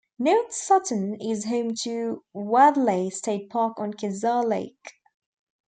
North Sutton is home to Wadleigh State Park on Kezar Lake.